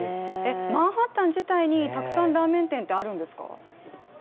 マンハッタン自体にたくさんラーメン店ってあるんですか？